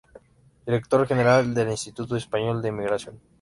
Director general del Instituto Español de Emigración.